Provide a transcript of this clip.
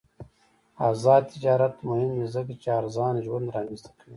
آزاد تجارت مهم دی ځکه چې ارزان ژوند رامنځته کوي.